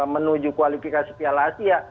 menuju kualifikasi piala asia